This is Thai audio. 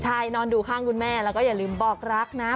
ใช่นอนดูข้างคุณแม่แล้วก็อย่าลืมบอกรักนะ